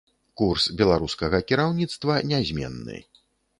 Курс беларускага кіраўніцтва нязменны.